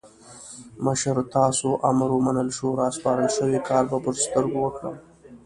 مشره تاسو امر ومنل شو؛ راسپارل شوی کار به پر سترګو وکړم.